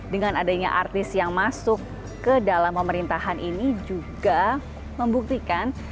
dengan adanya artis yang masuk ke dalam pemerintahan ini juga membuktikan